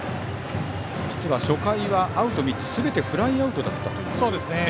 初回はアウト３つすべてフライアウトだったという。